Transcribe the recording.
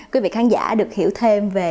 quý vị khán giả được hiểu thêm về